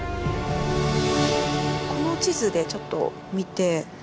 この地図でちょっと見て。